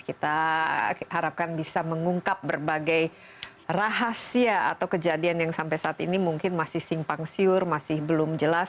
kita harapkan bisa mengungkap berbagai rahasia atau kejadian yang sampai saat ini mungkin masih simpang siur masih belum jelas